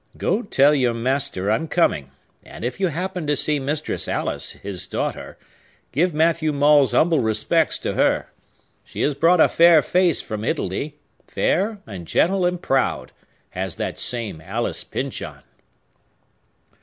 Go tell your master I'm coming; and if you happen to see Mistress Alice, his daughter, give Matthew Maule's humble respects to her. She has brought a fair face from Italy,—fair, and gentle, and proud,—has that same Alice Pyncheon!"